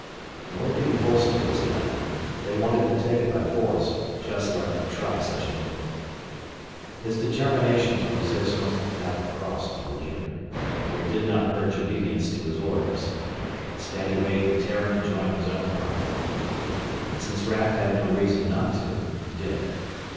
Nor did he holster his gun. If they wanted to take it by force just let them try such a move! His determination to resist must have gotten across to the leader, for he did not urge obedience to his orders. Instead he waved the Terran to join his own party. And since Raf had no reason not to, he did.